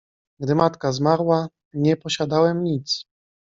— Gdy matka zmarła, nie posiadałem nic.